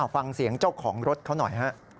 ฟังเสียงเจ้าของรถเขาหน่อยฮะ